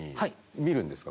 見るんですか？